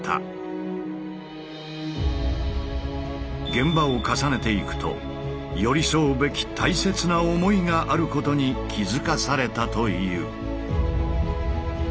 現場を重ねていくと寄り添うべき大切な想いがあることに気付かされたという。